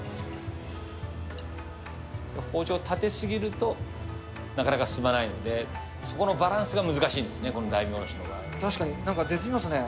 包丁立て過ぎると、なかなか進まないので、そこのバランスが難しいんですね、確かに、なんか絶妙ですね。